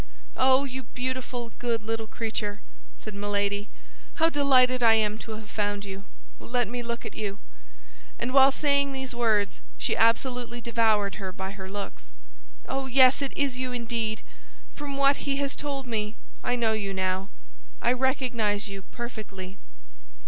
"Oh, you beautiful, good little creature!" said Milady. "How delighted I am to have found you! Let me look at you!" and while saying these words, she absolutely devoured her by her looks. "Oh, yes it is you indeed! From what he has told me, I know you now. I recognize you perfectly."